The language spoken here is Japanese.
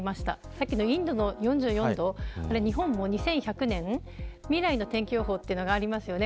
さっきのインドの４４度日本も２１００年未来の天気予報というのがありますよね